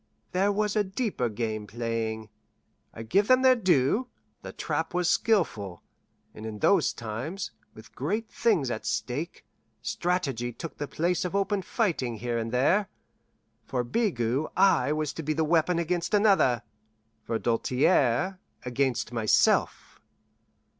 There was a deeper game playing. I give them their due: the trap was skillful, and in those times, with great things at stake, strategy took the place of open fighting here and there. For Bigot I was to be a weapon against another; for Doltaire, against myself.